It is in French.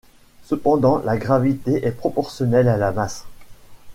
Cependant, la gravité est proportionnelle à la masse.